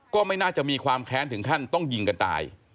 ก็ไม่น่าจะมีความแค้นถึงขั้นต้องยิงกันตาย